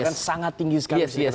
bahkan sangat tinggi sekali